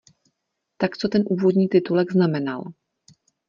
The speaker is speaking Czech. Tak co ten úvodní titulek znamenal.